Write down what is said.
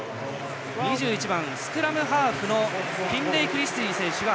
２１番、スクラムハーフのフィンレイ・クリスティ選手。